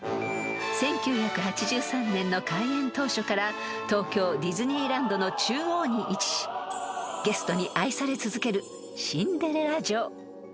［１９８３年の開園当初から東京ディズニーランドの中央に位置しゲストに愛され続ける］